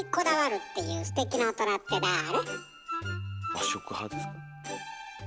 和食派ですか？